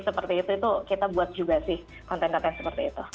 seperti itu itu kita buat juga sih konten konten seperti itu